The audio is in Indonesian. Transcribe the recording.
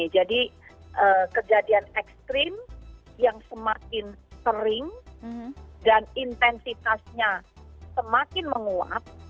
jadi kejadian ekstrim yang semakin sering dan intensitasnya semakin menguat